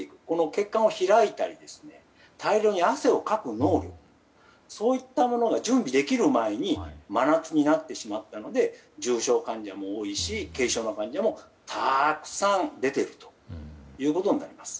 血管が開いたり大量に汗をかく能力そういったものが準備できる前に真夏になってしまったので重症患者も多いし、軽症の患者もたくさん出ているということになります。